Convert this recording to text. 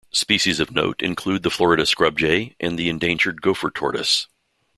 Species of note include the Florida scrub jay and the endangered gopher tortoise.